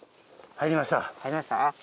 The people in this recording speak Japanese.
入りました？